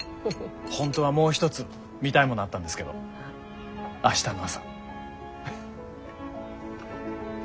本当はもう一つ見たいものあったんですけど明日の朝。